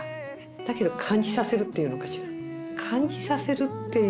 だけど感じさせるっていうのかしら。